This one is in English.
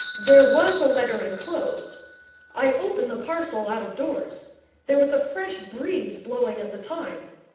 'There was a letter enclosed. I opened the parcel out of doors. There was a fresh breeze blowing at the time.